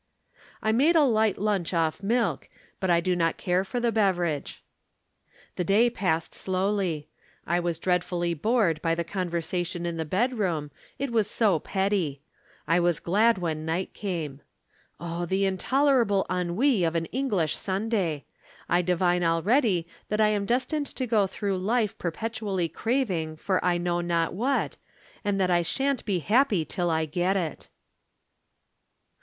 I made a light lunch off milk, but do not care for the beverage. The day passed slowly. I was dreadfully bored by the conversation in the bedroom it was so petty. I was glad when night came. O, the intolerable ennui of an English Sunday! I divine already that I am destined to go through life perpetually craving for I know not what, and that I shan't be happy till I get it."